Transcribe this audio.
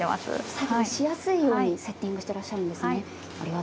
作業しやすいようにセッティングしているんですね。